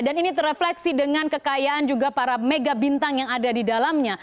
dan ini terefleksi dengan kekayaan juga para mega bintang yang ada di dalamnya